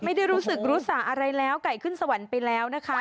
ไม่ได้รู้สึกรู้สาอะไรแล้วไก่ขึ้นสวรรค์ไปแล้วนะคะ